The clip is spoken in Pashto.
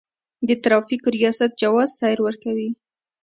د ترافیکو ریاست جواز سیر ورکوي